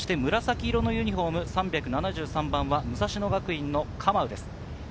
紫色のユニホーム、３７３番は武蔵野学院のカマウです。